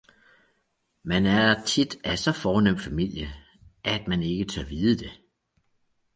Man er tit af så fornem familie, at man ikke tør vide det!